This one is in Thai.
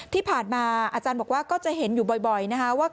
ที่ผ่านมาอาจารย์บอกว่าก็จะเห็นอยู่บ่อยนะคะว่า